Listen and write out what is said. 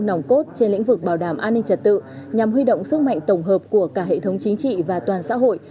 nòng cốt trên lĩnh vực bảo đảm an ninh trật tự nhằm huy động sức mạnh tổng hợp của cả hệ thống chính trị và toàn xã hội